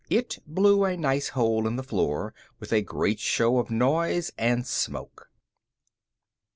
It blew a nice hole in the floor with a great show of noise and smoke.